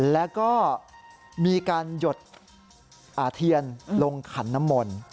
แล้วก็มีการหยดเทียนลงขันน้ำมนต์